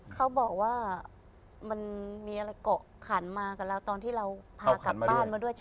เขาบอกว่ามันมีอะไรเกาะขันมากับเราตอนที่เราพากลับบ้านมาด้วย